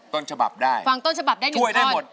ต้นฉบับได้ฟังต้นฉบับได้๑ต้น